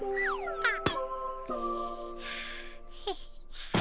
あっ！